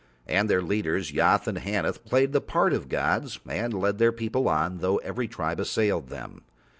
And their leaders, Yoth and Haneth, played the part of gods and led their people on though every tribe assailed them.